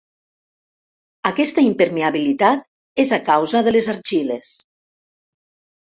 Aquesta impermeabilitat és a causa de les argiles.